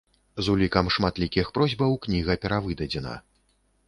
З улікам шматлікіх просьбаў кніга перавыдадзена.